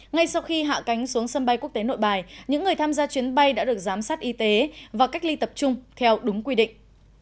ngay sau khi hạ cánh xuống sân bay quốc tế nội bài những người tham gia chuyến bay đã được giám sát y tế và cách ly tập trung theo đúng quy định